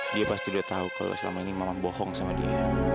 dia pasti udah tahu kalau selama ini memang bohong sama dia